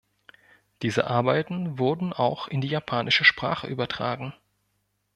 Diese Arbeiten wurden auch in die japanische Sprache übertragen.